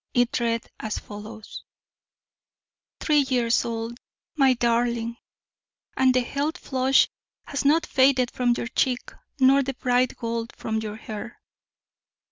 It read as follows: Three years old, my darling! and the health flush has not faded from your cheek nor the bright gold from your hair.